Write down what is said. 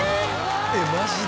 えっマジで？